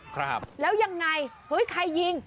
ครับแล้วยังไงเฮ้ยใครยิง